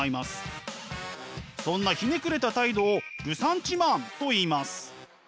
そんなひねくれた態度をルサンチマンといいます。